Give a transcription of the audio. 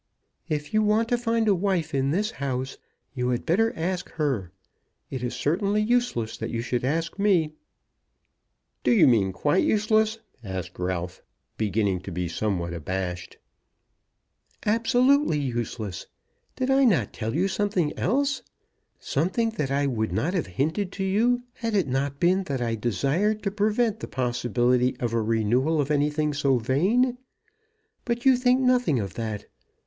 "If you want to find a wife in this house you had better ask her. It is certainly useless that you should ask me." "Do you mean quite useless?" asked Ralph, beginning to be somewhat abashed. "Absolutely useless. Did I not tell you something else, something that I would not have hinted to you, had it not been that I desired to prevent the possibility of a renewal of anything so vain? But you think nothing of that!